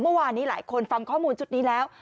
เมื่อวานนี้หลายคนฟังข้อมูลชุดนี้แล้ว